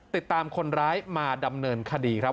ติดตามคนร้ายมาดำเนินคดีครับ